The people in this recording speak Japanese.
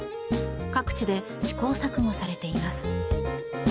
各地で試行錯誤されています。